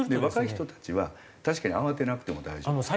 若い人たちは確かに慌てなくても大丈夫。